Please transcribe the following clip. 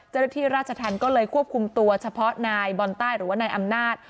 เจ้าหน้าที่ราชธรรมก็เลยควบคุมตัวเฉพาะนายบอลใต้หรือว่านายอำนาจ